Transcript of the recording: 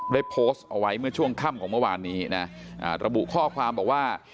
ได้โพสต์เอาไว้เมื่อช่วงค่ำของเมื่อวานนี้นะระบุข้อความบอกว่า